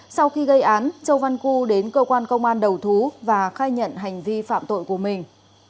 sau khi gây án châu văn cư đến cơ quan công an đầu thú và khai nhận hành vi phạm tội của mình